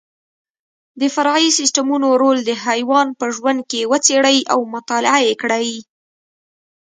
د فرعي سیسټمونو رول د حیوان په ژوند کې وڅېړئ او مطالعه یې کړئ.